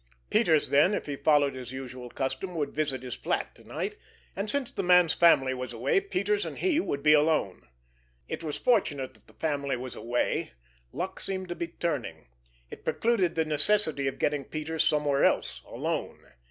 Peters, then, if he followed his usual custom, would visit his flat to night; and, since the man's family was away, Peters and he would be alone. It was fortunate that the family was away, luck seemed to be turning; it precluded the necessity of getting Peters somewhere else—alone.